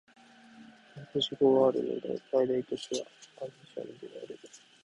コートジボワールの最大都市はアビジャンである